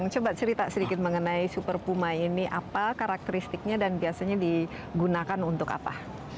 coba cerita sedikit mengenai super puma ini apa karakteristiknya dan biasanya digunakan untuk apa